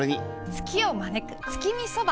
ツキを招く月見そば！